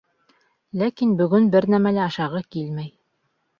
Ләкин бөгөн бер нәмә лә ашағы килмәй.